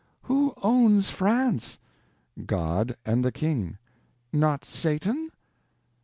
Who owns France?" "God and the King." "Not Satan?"